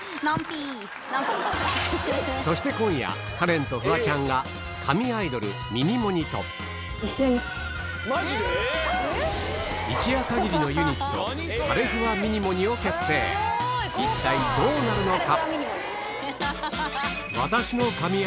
そして今夜カレンとフワちゃんが神アイドルミニモニ。と一体どうなるのか？